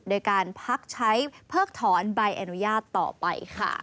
โดยการพักใช้เพิกถอนใบอนุญาตต่อไปค่ะ